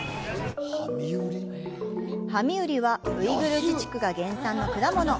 ハミウリは、ウイグル自治区が原産の果物。